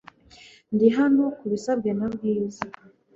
Ndi hano kubisabwe na Bwiza .